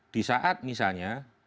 di saat misalnya